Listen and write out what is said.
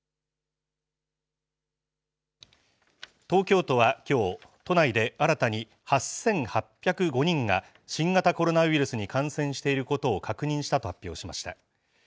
東京都はきょう、都内で新たに８８０５人が、新型コロナウイルスに感染していることを確認したと発表しました。